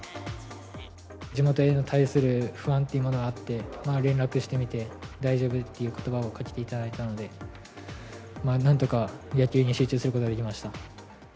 地元に対する不安っていうものがあって、連絡してみて、大丈夫っていうことばをかけていただいたので、なんとか野球に集中することができました。